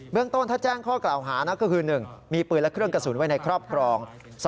เรื่องต้นถ้าแจ้งข้อกล่าวหานะก็คือ๑มีปืนและเครื่องกระสุนไว้ในครอบครอง